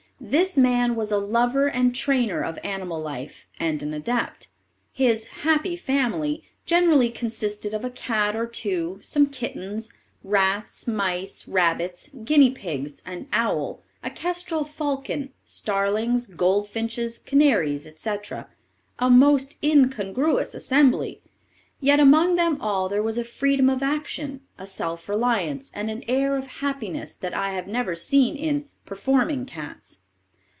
This man was a lover and trainer of animal life, and an adept. His "Happy Family" generally consisted of a cat or two, some kittens, rats, mice, rabbits, guinea pigs, an owl, a kestrel falcon, starlings, goldfinches, canaries, etc. a most incongruous assembly. Yet among them all there was a freedom of action, a self reliance, and an air of happiness that I have never seen in "performing cats."